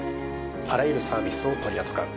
あらゆるサービスを取り扱う。